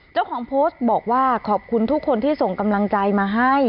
เจ้าของโพสต์บอกว่าขอบคุณทุกคนที่ส่งกำลังใจมาให้